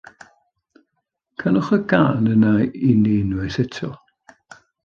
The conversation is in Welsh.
Canwch y gân yna i ni unwaith eto.